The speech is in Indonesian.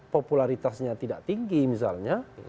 popularitasnya tidak tinggi misalnya